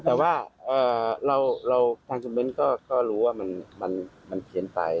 แต่ว่าทางคุณเบ้นก็รู้ว่ามันเขียนไป